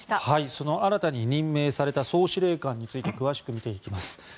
その新たに任命された総司令官について詳しく見ていきます。